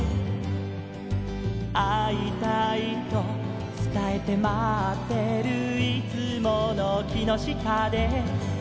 「会いたいとつたえて待ってるいつもの木の下で」